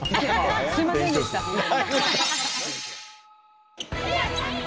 すみませんでした、本当に。